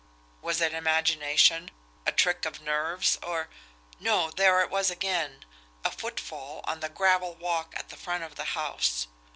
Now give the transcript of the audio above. Was it imagination, a trick of nerves, or no, there it was again! a footfall on the gravel walk at the front of the house.